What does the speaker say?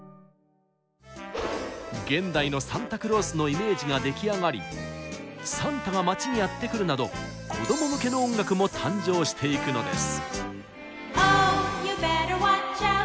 現代のサンタクロースのイメージが出来上がり「サンタが街にやってくる」など子ども向けの音楽も誕生していくのです。